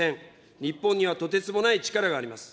日本にはとてつもない力があります。